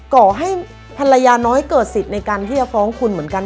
ก่อให้ภรรยาน้อยเกิดสิทธิ์ในการที่จะฟ้องคุณเหมือนกัน